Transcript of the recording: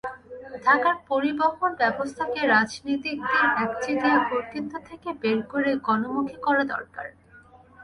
ঢাকার পরিবহনব্যবস্থাকে রাজনীতিকদের একচেটিয়া কর্তৃত্ব থেকে বের করে গণমুখী করা দরকার।